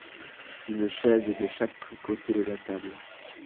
Une chaise de chaque côté de la table.